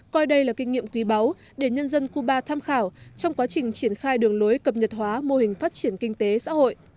coi đây là kinh nghiệm quý báu để nhân dân cuba tham khảo trong quá trình triển khai đường lối cập nhật hóa mô hình phát triển kinh tế xã hội